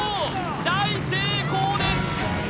大成功です！